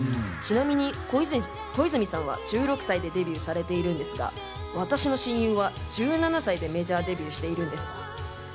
ちなみに小泉さんは１６歳でデビューされているんですが、私の親友は１７歳でメジャーデビューしているんです。